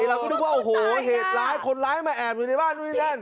เราก็นึกว่าโอ้โหเหตุร้ายคนร้ายมาแอบอยู่ในบ้านนู่นเล่น